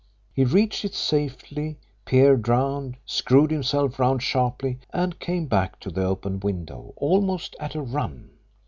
He reached it safely, peered round, screwed himself round sharply, and came back to the open window almost at a run.